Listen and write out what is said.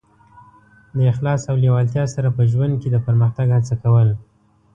د اخلاص او لېوالتیا سره په ژوند کې د پرمختګ هڅه کول.